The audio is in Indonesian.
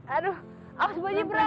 aduh awas gue jembat